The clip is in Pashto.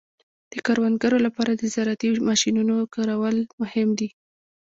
د کروندګرو لپاره د زراعتي ماشینونو کارول مهم دي.